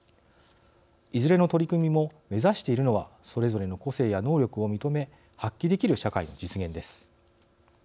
いずれの取り組みも目指しているのはそれぞれの個性や能力を認め発揮できる社会の実現です。